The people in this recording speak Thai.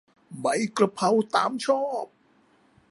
ใบกะเพรา ตามชอบ